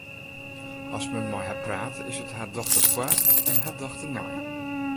As men mei har praat, is it har dochter foar en har dochter nei.